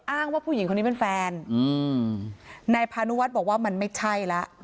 ว่าผู้หญิงคนนี้เป็นแฟนนายพานุวัฒน์บอกว่ามันไม่ใช่แล้ว